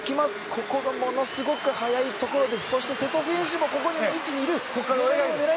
ここでものすごく早いところで瀬戸選手もこの位置にいる。